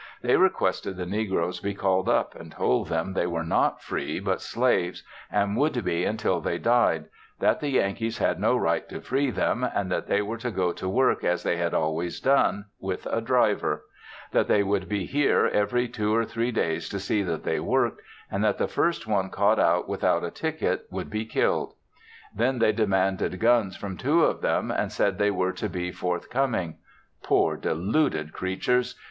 They requested the negroes be called up, and told them they were not free, but slaves, and would be until they died; that the Yankees had no right to free them, and that they were to go to work as they had always done with a driver; that they would be here every two or three days to see that they worked, and the first one caught out without a ticket would be killed. Then they demanded guns from two of them and said they were to be forthcoming. Poor deluded creatures!